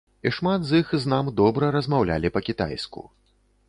І шмат з іх з нам добра размаўлялі па-кітайску.